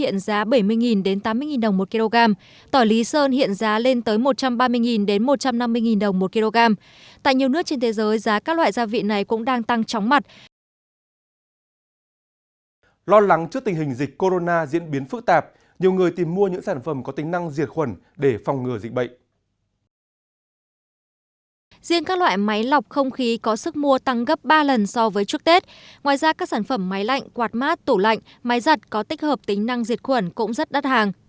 ngoài ra các sản phẩm máy lạnh quạt mát tủ lạnh máy giật có tích hợp tính năng diệt khuẩn cũng rất đắt hàng